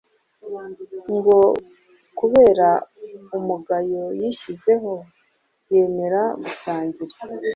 Ngo kubera umugayo yishyizeho yemera gusangira